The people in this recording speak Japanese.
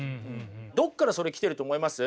どこからそれ来てると思います？